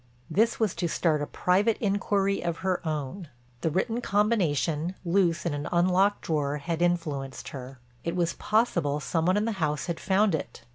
This was to start a private inquiry of her own. The written combination, loose in an unlocked drawer, had influenced her; it was possible some one in the house had found it.